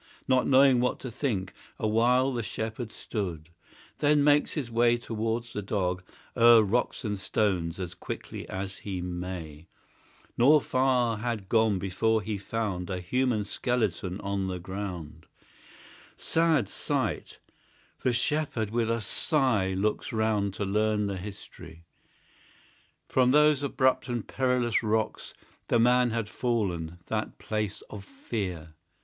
Not free from boding thoughts, a while The Shepherd stood: then makes his way Toward the Dog, o'er rocks and stones, As quickly as he may; Nor far had gone, before he found A human skeleton on the ground; The appalled discoverer with a sigh Looks round, to learn the history. From those abrupt and perilous rocks The Man had fallen, that place of fear!